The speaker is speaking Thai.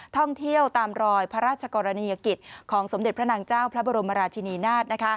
ท่องเที่ยวตามรอยพระราชกรณียกิจของสมเด็จพระนางเจ้าพระบรมราชินีนาฏ